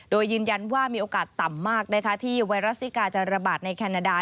โดยยืนยันว่ามีโอกาสต่ำมากนะคะที่ไวรัสซิกาจะระบาดในแคนาดา